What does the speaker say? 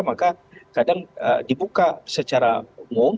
maka kadang dibuka secara umum